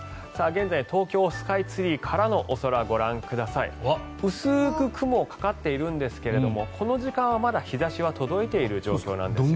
現在の東京スカイツリーからのお空ご覧ください。薄く雲かかっているんですけどこの時間はまだ日差しは届いている状況なんです。